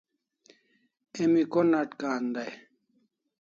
Emi ko nat kan dai?